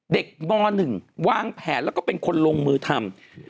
เด็กม๑วางแผนแล้วก็เป็นคนลงมือทำ